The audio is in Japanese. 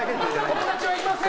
友達はいません。